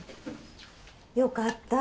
よかった。